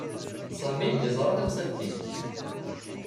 Sami yeẓra tamsalt-nnek.